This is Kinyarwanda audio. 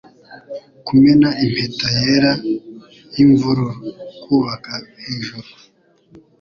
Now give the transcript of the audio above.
Kumena impeta yera yimvururu, kubaka hejuru